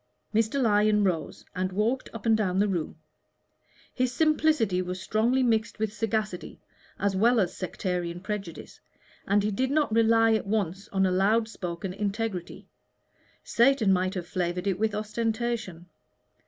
Mr. Lyon rose and walked up and down the room. His simplicity was strongly mixed with sagacity as well as sectarian prejudice, and he did not rely at once on a loud spoken integrity Satan might have flavored it with ostentation.